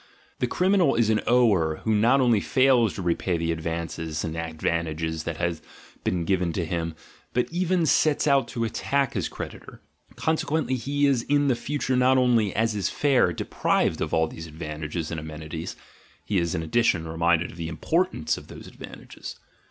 The criminal is an "ower" who not only fails to repay the ad vances and advantages that have been given to him, but even sets out to attack his creditor: consequently he is in the future not only, as is fair, deprived of all these ad vantages and amenities — he is in addition reminded of the importance of those advantages.